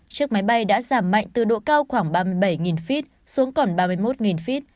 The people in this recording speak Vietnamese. chiếc máy bay đã giảm mạnh từ độ cao khoảng ba mươi bảy feet xuống còn ba mươi một feet